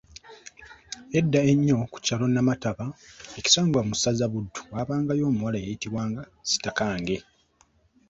Edda ennyo ku kyalo Namataba ekisangibwa mu ssaza Buddu waabangayo omuwala eyayitibwanga Sitakange.